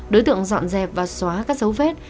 đối tượng dọn dẹp và xóa các dấu vết